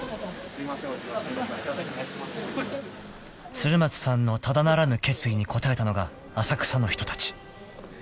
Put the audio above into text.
［鶴松さんのただならぬ決意に応えたのが浅草の人たち］